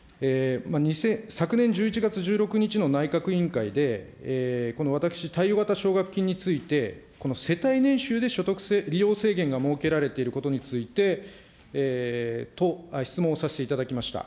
昨年１１月１６日の内閣委員会で、この私、貸与型奨学金について、世帯年収で所得利用制限が設けられていることについて、質問をさせていただきました。